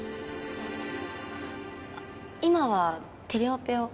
今はテレオペを。